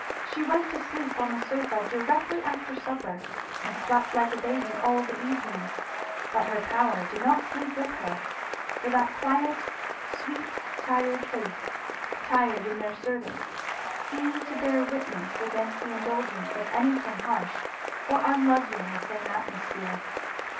She went to sleep on the sofa directly after supper and slept like a baby all the evening; but her power did not sleep with her; for that quiet, sweet, tired face, tired in their service, seemed to bear witness against the indulgence of anything harsh or unlovely in the same atmosphere.